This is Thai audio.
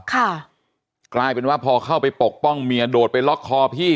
กลายเป็นว่าพอเข้าไปปกป้องเมียโดดไปล็อกคอพี่